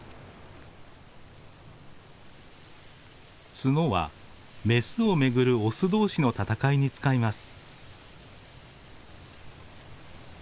角はメスを巡るオス同士の戦いに使います。